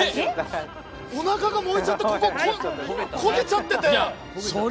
おなかが、燃えちゃってここ、焦げちゃってて！